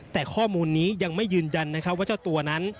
แต่ข้อมูลนี้ยังไม่ยืนยันว่าเจ้าตัวนั้น